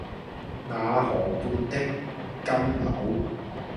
那河畔的金柳